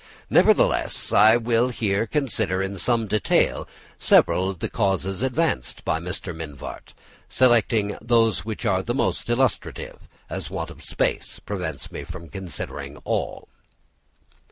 Nevertheless, I will here consider in some detail several of the cases advanced by Mr. Mivart, selecting those which are the most illustrative, as want of space prevents me from considering all.